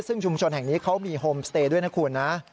ซึ่งชุมชนแห่งนี้เขามีโฮมสเตย์ด้วยนะคุณนะ